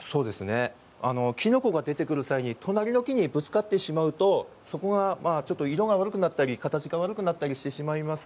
きのこが出てくる際隣の木にぶつかってしまうと色が悪くなったり形が悪くなったりしてしまいます。